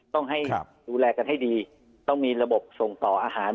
ต้องให้ดูแลกันให้ดีต้องมีระบบส่งต่ออาหาร